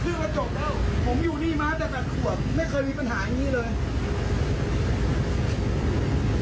ว่าจบแล้วผมอยู่นี่มาตั้งแต่๘ขวบไม่เคยมีปัญหาอย่างนี้เลย